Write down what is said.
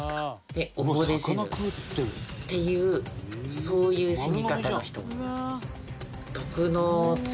で溺れ死ぬっていうそういう死に方の人もいます。